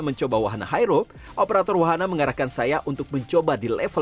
mencoba wahana highroll operator wahana mengarahkan saya untuk mencoba di level dua